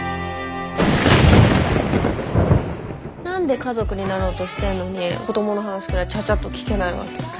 何で家族になろうとしてんのに子どもの話くらいちゃちゃっと聞けないわけ？